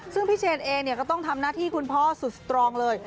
ซึ่งพี่เชนเองก็ต้องทำหน้าที่คุณพ่อสุดสตรองเลย